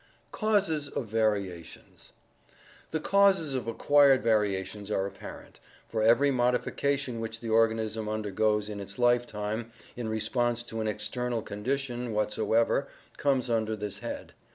Causes of Variations The causes of acquired variations are apparent, for every modi fication which the organism undergoes in its lifetime in response to any external condition whatsoever comes under this head.